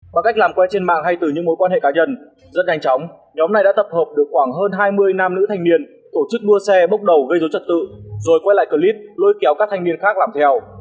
bằng cách làm quen trên mạng hay từ những mối quan hệ cá nhân rất nhanh chóng nhóm này đã tập hợp được khoảng hơn hai mươi nam nữ thanh niên tổ chức mua xe bốc đầu gây dối trật tự rồi quay lại clip lôi kéo các thanh niên khác làm theo